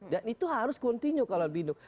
dan itu harus continue kalau bindung